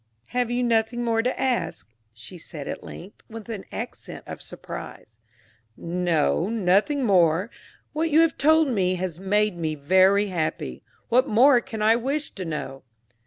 "Have you nothing more to ask?" she said at length, with an accent of surprise. "No; nothing more. What you have told me has made me very happy what more can I wish to know?"